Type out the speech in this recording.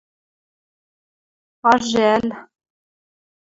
А жӓл!